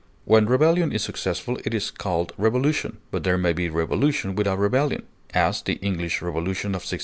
When rebellion is successful it is called revolution; but there may be revolution without rebellion; as, the English Revolution of 1688.